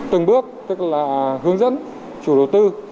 từng bước tức là hướng dẫn chủ đầu tư